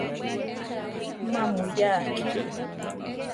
Má muyaa akí ru.